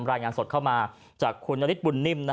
รายงานสดเข้ามาจากคุณนฤทธบุญนิ่ม